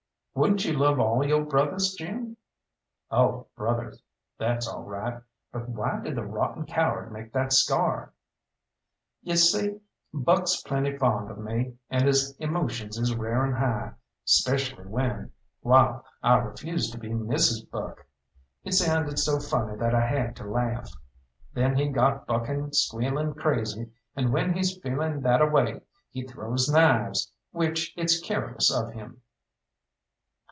"Wouldn't you love all yo' brothers, Jim?" "Oh, brothers that's all right. But why did the rotten coward make that scar?" "You see, Buck's plenty fond of me, and his emotions is r'aring high, specially when wall, I refused to be Mrs. Buck. It sounded so funny that I had to laugh. Then he got bucking squealing crazy, and when he's feeling that a way he throws knives, which it's careless of him."